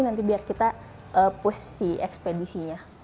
nanti biar kita push si ekspedisinya